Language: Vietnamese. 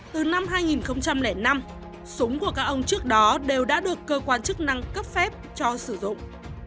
từ năm hai nghìn năm súng của các ông trước đó đều đã được cơ quan chức năng cấp phép cho sử dụng